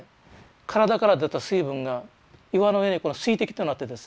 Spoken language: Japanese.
体から出た水分が岩の上に水滴となってですね